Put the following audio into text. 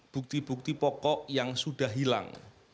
bukti bukti pokok yang sudah hilang